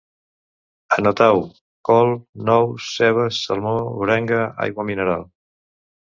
Anotau: col, nous, cebes, salmó, orenga, aigua mineral